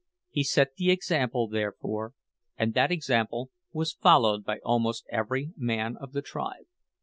He set the example, therefore; and that example was followed by almost every man of the tribe.